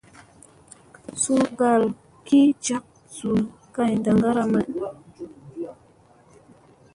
Suu tagal gi jaŋ zul kay ndaŋgara may.